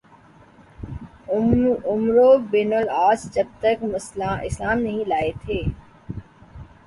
عمرو بن العاص جب تک اسلام نہیں لائے تھے